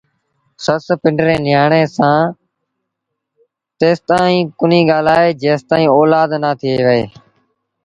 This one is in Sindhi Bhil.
سس پنڊري نيٚآڻي سآݩ تيسائيٚݩ ڪونهيٚ ڳآلآئي جيستائيٚݩ اولآد نا ٿئي وهي